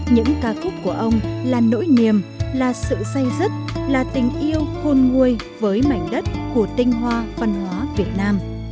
những ca khúc của ông là nỗi niềm là sự dây dứt là tình yêu khôn nguôi với mảnh đất của tinh hoa văn hóa việt nam